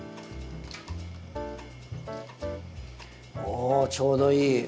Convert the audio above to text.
おちょうどいい！